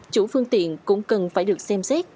chủ phương tiện cũng cần phải được xem xét